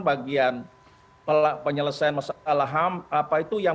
bagian penyelesaian masalah ham apa itu yang